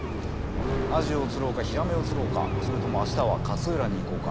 アジを釣ろうかヒラメを釣ろうかそれとも明日は勝浦に行こうか。